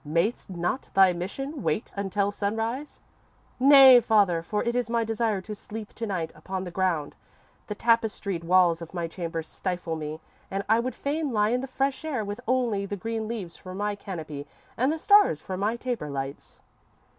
Mayst not thy mission wait until sunrise?"_ _"Nay, father, for it is my desire to sleep to night upon the ground. The tapestried walls of my chamber stifle me and I would fain lie in the fresh air with only the green leaves for my canopy and the stars for my taper lights."